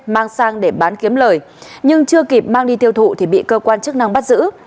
mang sang để bán kiếm lời nhưng chưa kịp mang đi tiêu thụ thì bị cơ quan chức năng bắt giữ